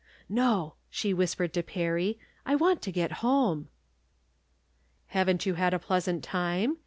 " No," she whispered to Perry, " I want to get home." " Haven't you had a pleasant time